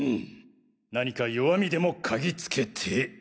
何か弱みでも嗅ぎつけて。